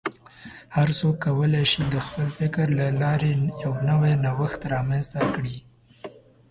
هر څوک کولی شي د خپل فکر له لارې یو نوی نوښت رامنځته کړي.